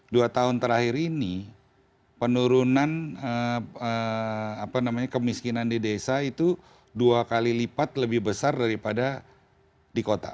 dua tahun terakhir ini penurunan kemiskinan di desa itu dua kali lipat lebih besar daripada di kota